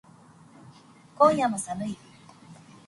今夜も寒い